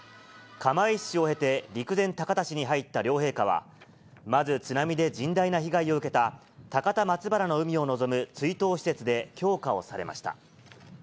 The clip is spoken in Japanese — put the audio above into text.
釜石市を経て陸前高田市に両陛下は、まず津波で甚大な被害を受けた、高田松原の海を望む追悼施設で供花をされました。